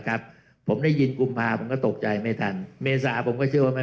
ครับผมได้ยินกุมภาผมก็ตกใจไม่ทันเมษาผมก็เชื่อว่าไม่